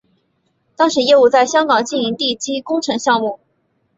当时业务在香港经营地基工程项目。